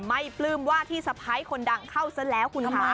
ปลื้มว่าที่สะพ้ายคนดังเข้าซะแล้วคุณคะ